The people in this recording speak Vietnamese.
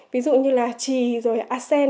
ví dụ như là trì rồi acen